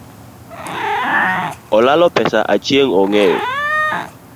Olalo pesa Achieng ongeyo